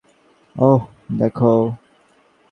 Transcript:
ওহ, দেখো।